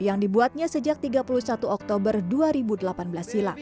yang dibuatnya sejak tiga puluh satu oktober dua ribu delapan belas silam